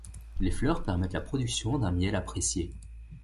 Les fleurs permettent la production d'un miel apprécié.